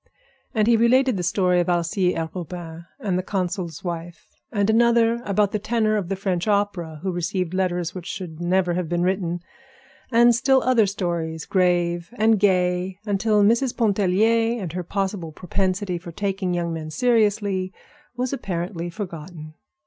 And he related the story of Alcée Arobin and the consul's wife; and another about the tenor of the French Opera, who received letters which should never have been written; and still other stories, grave and gay, till Mrs. Pontellier and her possible propensity for taking young men seriously was apparently forgotten.